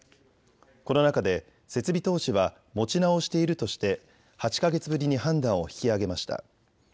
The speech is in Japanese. この中で設備投資は持ち直しているとして８か月ぶりに判断を引き上げました。